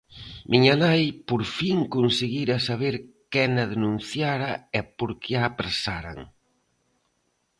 Miña nai por fin conseguira saber quen a denunciara e por que a apresaran.